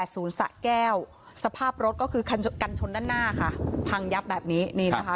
ศูนย์สะแก้วสภาพรถก็คือคันกันชนด้านหน้าค่ะพังยับแบบนี้นี่นะคะ